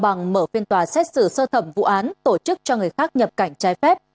bằng mở phiên tòa xét xử sơ thẩm vụ án tổ chức cho người khác nhập cảnh trái phép